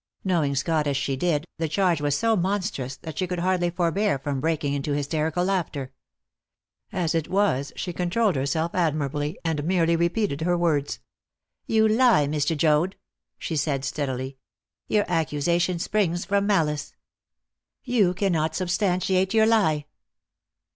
Knowing Scott as she did, the charge was so monstrous that she could hardly forbear from breaking into hysterical laughter. As it was, she controlled herself admirably, and merely repeated her words. "You lie, Mr. Joad," she said steadily. "Your accusation springs from malice. You cannot substantiate your lie."